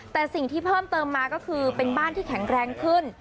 แต่สิ่งที่เพิ่มเติมมาก็คือเป็นบ้านที่แข็งแรงขึ้น